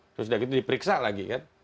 terus udah gitu diperiksa lagi kan